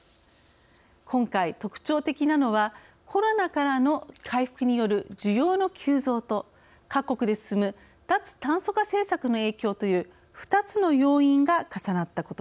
今回特徴的なのはコロナからの回復による需要の急増と各国で進む脱炭素化政策の影響という２つの要因が重なったことです。